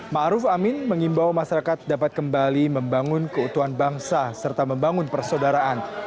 ⁇ maruf amin mengimbau masyarakat dapat kembali membangun keutuhan bangsa serta membangun persaudaraan